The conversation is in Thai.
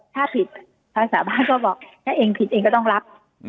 ถ้าผิดทางสาบ้านก็บอกถ้าเองผิดเองก็ต้องรับ